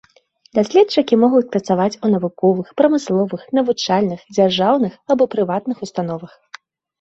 Даследчыкі могуць працаваць у навуковых, прамысловых, навучальных, дзяржаўных або прыватных установах.